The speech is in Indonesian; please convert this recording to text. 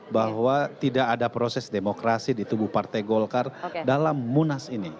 bahwa tidak ada proses demokrasi di tubuh partai golkar dalam munas ini